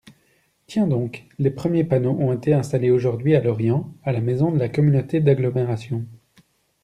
Tiens donc, les premiers panneaux ont été installés aujourd’hui à Lorient à la maison de la Communauté d’agglomération.